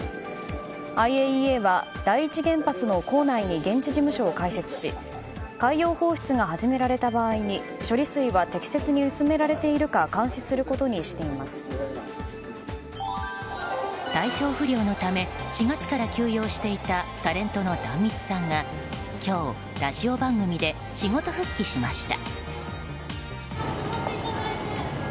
ＩＡＥＡは第一原発の構内に現地事務所を開設し海洋放出がはじめられた場合に処理水は適切に薄められているか体調不良のため４月から休養していたタレントの壇蜜さんが今日、ラジオ番組で仕事復帰しました。